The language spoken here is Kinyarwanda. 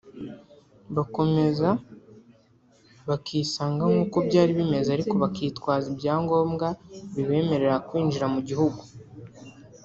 bakomeza bakisanga nk’uko byari bimeze ariko bakitwaza ibyangombwa bibemerera kwinjira mu gihugu”